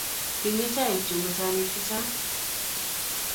Kinyei chaik chu machanik che chang'